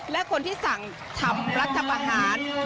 และคนที่สั่งทำรัฐประหาร